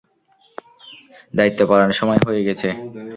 দায়িত্ব পালনের সময় হয়ে গেছে।